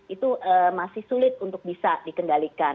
itu masih sulit untuk bisa dikendalikan